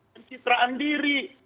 dan kisahkan diri